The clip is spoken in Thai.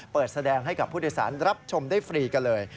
แสดงให้กับผู้โดยสารรับชมได้ฟรีกันเลย